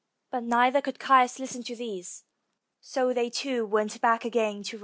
But neither would Caius Listen to these; so they too went back again to Rome.